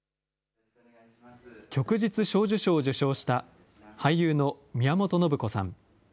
旭日小綬章を受章した、俳優の宮本信子さん。